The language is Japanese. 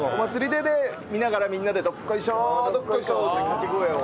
で見ながらみんなで「どっこいしょどっこいしょ」って掛け声を。